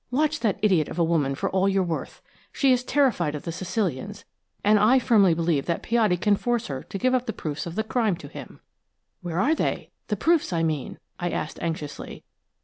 Watch that idiot of a woman for all you're worth. She is terrified of the Sicilians, and I firmly believe that Piatti can force her to give up the proofs of the crime to him." "Where are they–the proofs, I mean?" I asked anxiously.